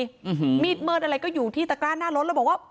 มีดมืดอะไรก็อยู่ที่ตะกร้าหน้ารถแล้วบอกว่า